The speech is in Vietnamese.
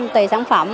tùy sản phẩm